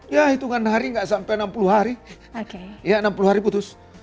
ya hitungan hari nggak sampai enam puluh hari ya enam puluh hari putus